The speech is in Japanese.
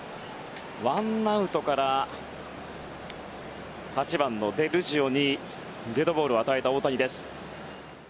１アウトから８番のデルジオにデッドボールを与えた大谷です。